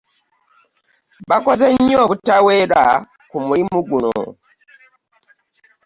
Bakoze nnyo obutaweera ku mulimu guno